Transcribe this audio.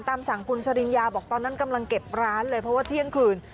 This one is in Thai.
ตามสั่งคุณสริญญาบอกตอนนั้นกำลังเก็บร้านเลยเพราะว่าเที่ยงคืน